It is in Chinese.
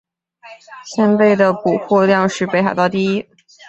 蚬贝的补获量是北海道第一。